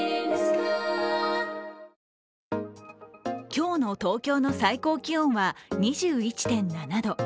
今日の東京の最高気温は２１．７度。